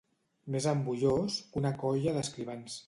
Més embullós que una colla d'escrivans.